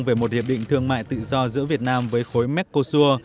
về một hiệp định thương mại tự do giữa việt nam với khối mekosur